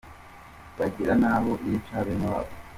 Bagera n’aho bica bene wabo !